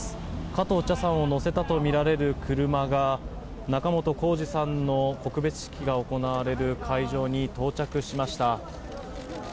加藤茶さんを乗せたとみられる車が仲本工事さんの告別式が行われる会場に到着しました。